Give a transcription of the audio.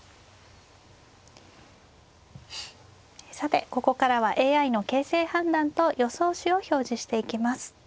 さてここからはＡＩの形勢判断と予想手を表示していきます。